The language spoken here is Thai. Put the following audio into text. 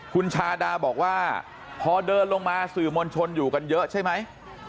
คุณชาดาบอกว่าพอเดินลงมาสื่อมวลชนอยู่กันเยอะใช่ไหม